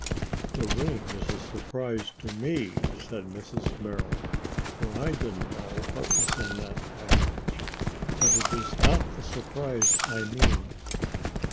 "The ring is a surprise to me," said Mrs. Merrill, "for I didn't know what was in that package. But it is not the surprise I mean."